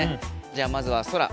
じゃあまずはソラ。